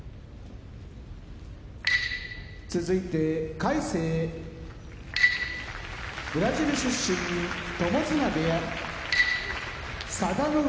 魁聖ブラジル出身友綱部屋佐田の海